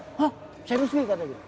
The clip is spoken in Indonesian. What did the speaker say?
hah serius gitu kata dia